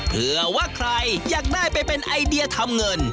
เพื่อว่าใครอยากได้ไปเป็นไอเดียทำเงิน